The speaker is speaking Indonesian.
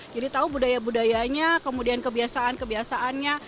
jadi tahu budaya budayanya kemudian kebiasaan kebiasaannya